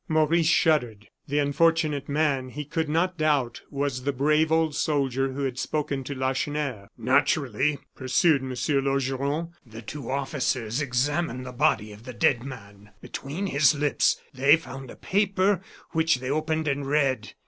Maurice shuddered. The unfortunate man, he could not doubt, was the brave old soldier who had spoken to Lacheneur. "Naturally," pursued M. Laugeron, "the two officers examined the body of the dead man. Between his lips they found a paper, which they opened and read.